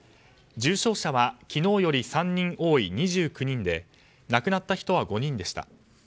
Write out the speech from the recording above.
重症者は昨日より３人多い２９人で亡くなった人は５人でした。